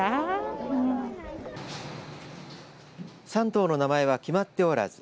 ３頭の名前は決まっておらず